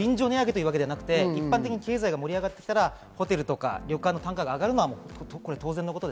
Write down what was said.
便乗値上げではなくて経済が盛り上がってきたら、ホテルや旅館の単価が上がるのは当然のこと。